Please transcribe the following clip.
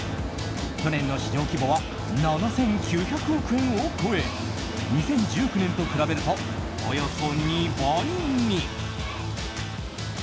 去年の市場規模は７９００億円を超え２０１９年と比べるとおよそ２倍に。